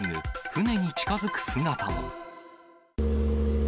船に近づく姿も。